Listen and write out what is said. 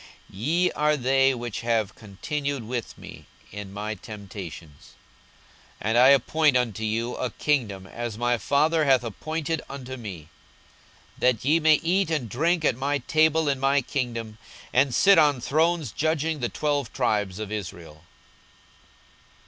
42:022:028 Ye are they which have continued with me in my temptations. 42:022:029 And I appoint unto you a kingdom, as my Father hath appointed unto me; 42:022:030 That ye may eat and drink at my table in my kingdom, and sit on thrones judging the twelve tribes of Israel.